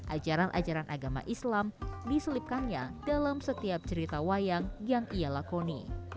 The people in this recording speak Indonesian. ajaran ajaran agama islam diselipkannya dalam setiap cerita wayang yang ia lakoni